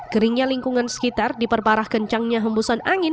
keringnya lingkungan sekitar diperparah kencangnya hembusan angin